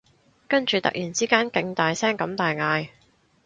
跟住突然之間勁大聲咁大嗌